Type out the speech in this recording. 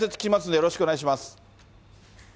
よろしくお願いします。